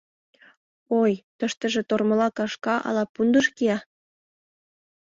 — Ой, тыштыже тормыла кашка ала пундыш кия.